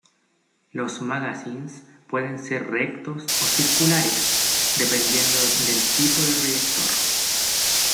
Los magazines pueden ser rectos o circulares, dependiendo del tipo de proyector.